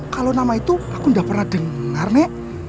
kalau nama itu aku nggak pernah dengar nek